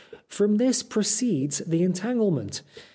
From this proceeds the entanglement.